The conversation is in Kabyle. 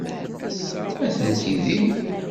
Atenti din.